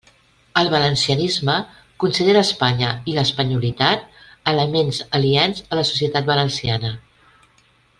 El valencianisme considera Espanya i l'espanyolitat elements aliens a la societat valenciana.